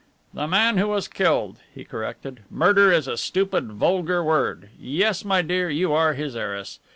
"The man who was killed," he corrected. "'Murder' is a stupid, vulgar word. Yes, my dear, you are his heiress.